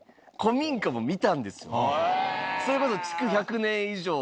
それこそ。